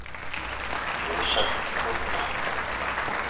Ndi wo Cad ti boŋ ga.